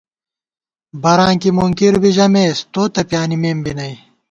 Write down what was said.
براں کی مُنکِر بی ژِمېس ، تو تہ پیانِمېم بی نئ